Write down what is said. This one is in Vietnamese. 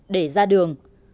để ra đường